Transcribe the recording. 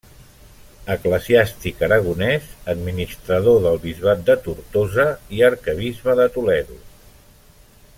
Eclesiàstic aragonès, administrador del bisbat de Tortosa i arquebisbe de Toledo.